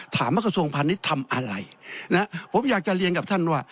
กระทรวงพาณิชย์ทำอะไรนะผมอยากจะเรียนกับท่านว่า